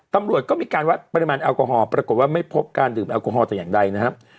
ตำรวจก็มีการวัดปริมาณแอลกอฮอล์ปรากฏว่าไม่พบการดื่มแอลกอฮอลแต่อย่างใดนะครับ